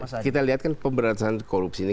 kita lihat kan pemberantasan korupsi ini